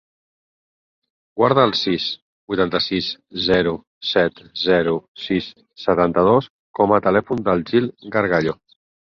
Guarda el sis, vuitanta-sis, zero, set, zero, sis, setanta-dos com a telèfon del Gil Gargallo.